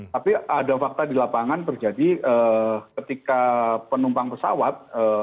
tapi ada fakta di lapangan terjadi ketika penumpang pesawat